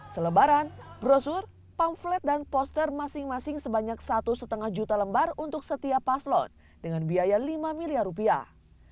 selebaran brosur pamflet dan poster masing masing sebanyak satu lima juta lembar untuk setiap paslon dengan biaya lima miliar rupiah